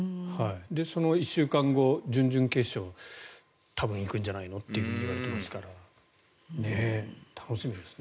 その１週間後、準々決勝多分行くんじゃないのといわれていますから楽しみですね。